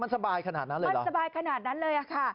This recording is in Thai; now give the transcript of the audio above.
มันสบายขนาดนั้นเลยเหรอมันสบายขนาดนั้นเลยค่ะ